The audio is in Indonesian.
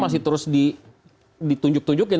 masih terus ditunjuk tunjukkan